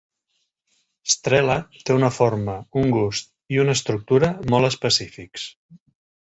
Strela té una forma, un gust i una estructura molt específics.